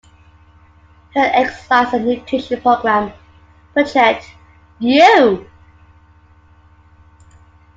Her exercise and nutrition program Project:You!